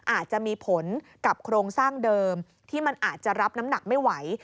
อาจจะมีผลกับโครงสร้างเดิมที่มันอาจจะรับน้ำหนักไม่ไหว